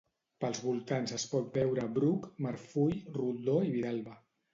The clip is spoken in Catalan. Pels voltants es pot veure bruc, marfull, roldor i vidalba.